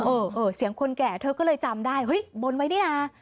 เออเสียงคนแก่เธอก็เลยจำได้เฮ้ยบนไว้นี่นะ